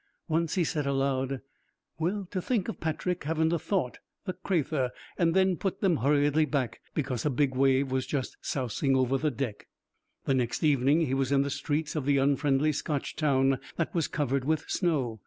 Once he said aloud, 'Well, to think of Patrick havin' the thought, the crathur'; and then put them hurriedly back because a big wave was just sousing over the deck. The next evening he was in the streets of the unfriendly Scotch town that was covered with snow.